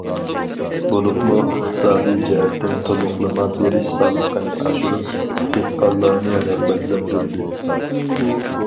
بولۇپمۇ ئىقتىسادىي جەھەتتىن تولۇقلىما بېرىش سالمىقىنى ئاشۇرۇپ، دېھقانلارنى رىغبەتلەندۈردى.